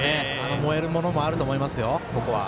燃えるものもあると思いますよ。